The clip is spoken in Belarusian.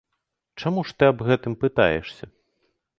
Чаму ж ты аб гэтым пытаешся?